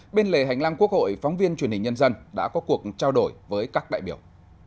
bên lề hành lang quốc hội phóng viên truyền hình nhân dân đã có cuộc trao đổi với các đại biểu